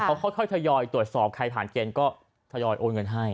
เขาค่อยทยอยตรวจสอบใครผ่านเกณฑ์ก็ทยอยโอนเงินให้